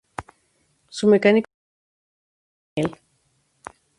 Su mecánico de ruta fue Marius Amiel.